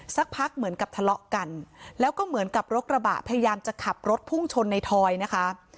สักพักเหมือนกับทะเลาะกันแล้วก็เหมือนกับรถกระบะพยายามจะขับรถพุ่งชนในทอยนะคะ